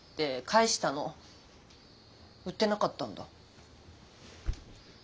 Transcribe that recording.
売ってなかったんだ。